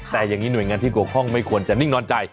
แต่อย่างนี้หน่วยงานที่เกี่ยวข้องไม่ควรจะนิ่งนอนใจ